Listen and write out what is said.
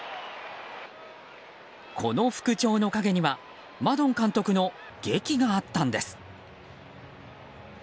この復調の影にはマドン監督の檄があったんです。